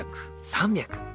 ３００。